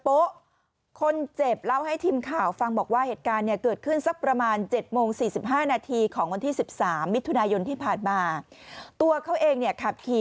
ออกมาจากบ้านพักเอื้ออาทรญญาณมิลบุรี